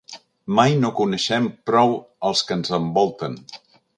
Mai no coneixem prou els que ens envolten.